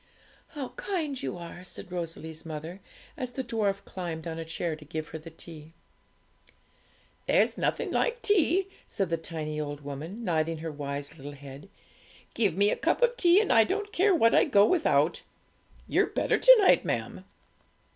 'How kind you are!' said Rosalie's mother, as the dwarf climbed on a chair to give her the tea. 'There's nothing like tea,' said the tiny old woman, nodding her wise little head; 'give me a cup of tea, and I don't care what I go without! You're better to night, ma'am.'